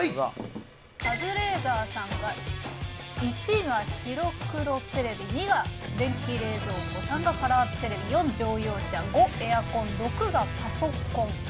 カズレーザーさんが①が白黒テレビ②が電気冷蔵庫③がカラーテレビ④乗用車⑤エアコン⑥がパソコン。